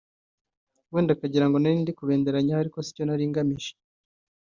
wenda akagira ngo nari ndi kubenderanyaho ariko sicyo nari ngamije